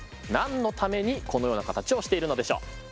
何のためにこのような形をしているのでしょう？